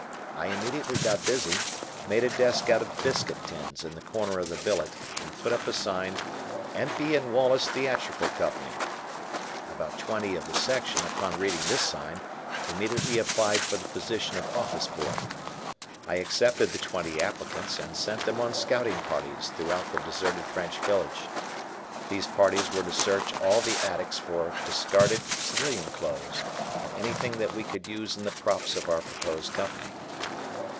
I immediately got busy, made a desk out of biscuit tins in the corner of the billet, and put up a sign "Empey & Wallace Theatrical Co." About twenty of the section, upon reading this sign, immediately applied for the position of office boy. I accepted the twenty applicants, and sent them on scouting parties throughout the deserted French village. These parties were to search all the attics for discarded civilian clothes, and anything that we could use in the props of our proposed Company.